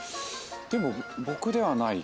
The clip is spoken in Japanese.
でも僕ではない。